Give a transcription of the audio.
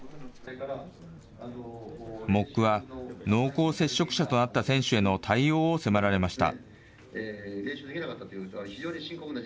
ＭＯＣは、濃厚接触者となった選手への対応を迫られました。